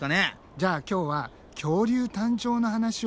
じゃあ今日は「恐竜誕生の話」をしよう。